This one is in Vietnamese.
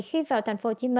khi vào tp hcm